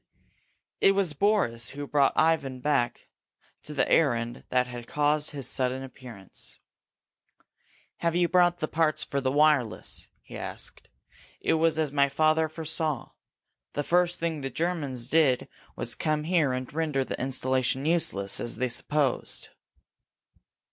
It was Boris who brought Ivan back to the errand that had caused his sudden appearance. "Have you brought the parts for the wireless?" he asked. "It was as my father foresaw. The first thing the Germans did was to come here and render the installation useless, as they supposed."